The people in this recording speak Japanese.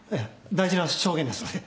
大事な証言ですので。